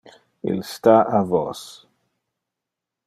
Il sta a vos.